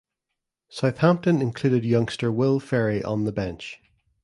Southampton included youngster Will Ferry on the bench.